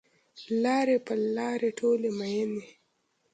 لارې پل لارې ټولي میینې